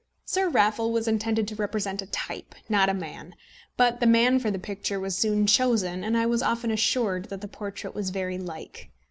Sir Raffle was intended to represent a type, not a man; but the man for the picture was soon chosen, and I was often assured that the portrait was very like.